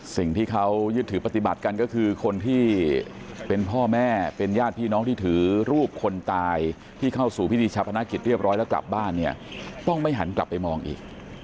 สิ่งที่เขายึดถือปฏิบัติกันก็คือคนที่เป็นพ่อแม่เป็นญาติพี่น้องที่ถือรูปคนตายที่เข้าสู่พิธีชาพนักกิจเรียบร้อยแล้วกลับบ้านเนี่ยต้องไม่หันกลับไปมองอีก